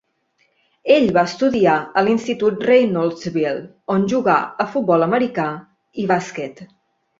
Ell va estudiar a l'Institut Reynoldsville on jugà a futbol americà i bàsquet.